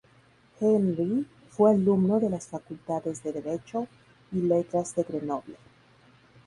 Henri fue alumno de las Facultades de Derecho y Letras de Grenoble.